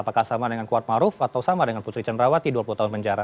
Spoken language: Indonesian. apakah sama dengan kuat maruf atau sama dengan putri cenrawati dua puluh tahun penjara